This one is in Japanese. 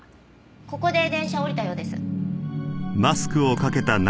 ここで電車を降りたようです。